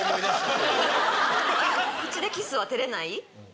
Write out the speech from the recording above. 口でキスは照れない？